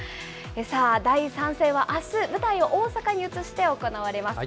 第３戦はあす、舞台を大阪に移して行われます。